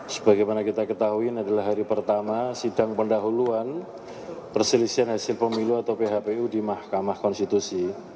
sebagaimana kita ketahui adalah hari pertama sidang pendahuluan perselisihan hasil pemilu atau phpu di mahkamah konstitusi